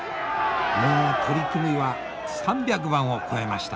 もう取組は３００番を超えました。